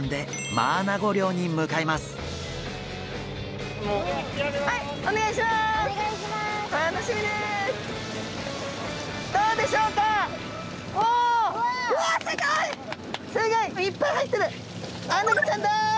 マアナゴちゃんだ！